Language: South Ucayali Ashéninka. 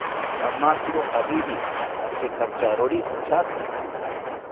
Pamakiro jawiri achekantyawori inchato